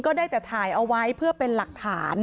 ได้แต่ถ่ายเอาไว้เพื่อเป็นหลักฐาน